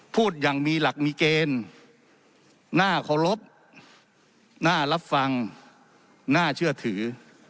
พูดอย่างมีหลักมีเกณฑ์น่าเคารพน่ารับฟังน่าเชื่อถือ